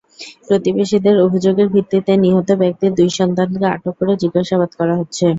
প্রতিবেশীদের অভিযোগের ভিত্তিতে নিহত ব্যক্তির দুই সন্তানকে আটক করে জিজ্ঞাসাবাদ করা হচ্ছে।